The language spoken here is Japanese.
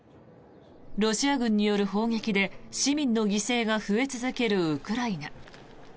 ロシア軍による砲撃で市民の犠牲が増え続けるウクライナ。